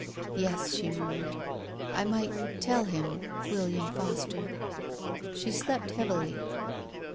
" Yes," she murmured. " I — might — tell — him — William Foster." She slept heavily.